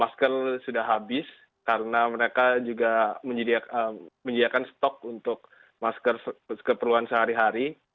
masker sudah habis karena mereka juga menyediakan stok untuk masker keperluan sehari hari